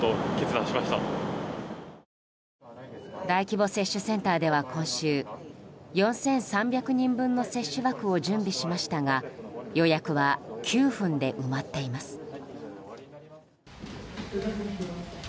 大規模接種センターでは今週４３００人分の接種枠を準備しましたが予約は９分で埋まっています。